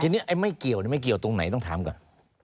ทีนี้ไอ้ไม่เกี่ยวไม่เกี่ยวตรงไหนต้องถามก่อน